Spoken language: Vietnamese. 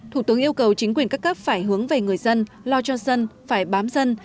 thủ tướng yêu cầu chính quyền các cấp phải hướng về người dân lo cho dân phải bám dân